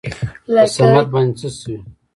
په صمد باندې څه شوي ؟